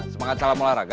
semangat salam olahraga